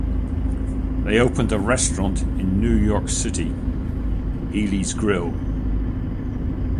They opened a restaurant in New York City, "Healy's Grill".